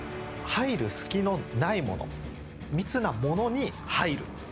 入る隙の無いもの密なものに入る！